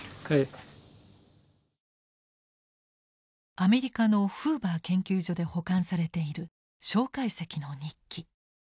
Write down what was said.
アメリカのフーバー研究所で保管されている介石の日記。